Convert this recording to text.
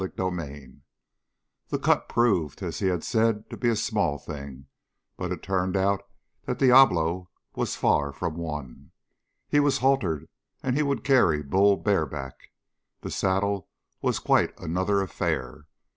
CHAPTER 17 The cut proved, as he had said, to be a small thing; but it turned out that Diablo was far from won. He was haltered and he would carry Bull bareback. The saddle was quite another affair.